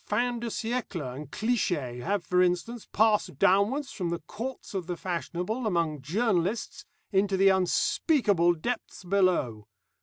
Fin de siècle and cliché have, for instance, passed downward from the courts of the fashionable among journalists into the unspeakable depths below.